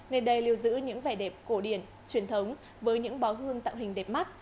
nơi đây lưu giữ những vẻ đẹp cổ điển truyền thống với những bó hương tạo hình đẹp mắt